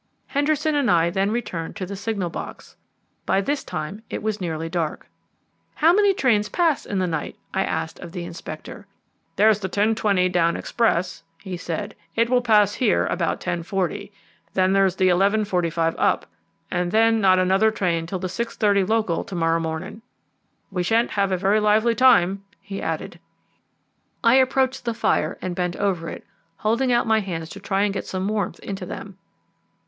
Henderson and I then returned to the signal box. By this time it was nearly dark. "How many trains pass in the night?" I asked of the Inspector. "There's the 10.20 down express," he said, "it will pass here at about 10.40; then there's the 11.45 up, and then not another train till the 6.30 local to morrow morning. We shan't have a very lively time," he added. I approached the fire and bent over it, holding out my hands to try and get some warmth into them.